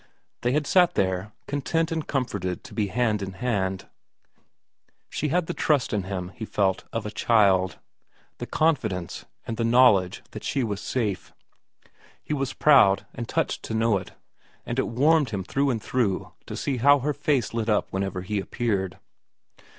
They had sat there, content and comforted to be hand in hand. She had the trust in him, he felt, of a child ; the confidence, and the knowledge that she was safe. He was proud and touched to know it, and it warmed him through and through to see how her face lit up whenever he appeared.